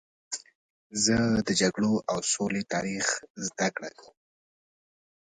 زه د جګړو او سولې تاریخ زدهکړه کوم.